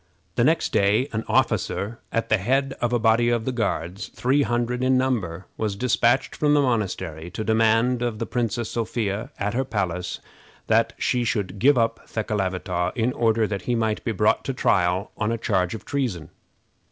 The next day an officer, at the head of a body of the Guards three hundred in number, was dispatched from the monastery to demand of the Princess Sophia, at her palace, that she should give up Thekelavitaw, in order that he might be brought to trial on a charge of treason.